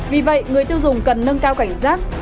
vì vậy người tiêu dùng cần nâng cao cảnh giác